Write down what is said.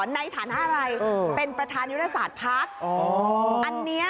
ในฐานะอะไรเป็นประธานยุทธศาสตร์พักอันนี้